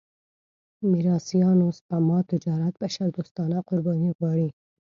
میراثيانو سپما تجارت بشردوستانه قرباني غواړي.